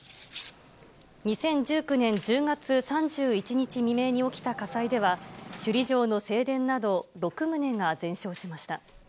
２０１９年１０月３１日未明に起きた火災では、首里城の正殿など６棟が全焼しました。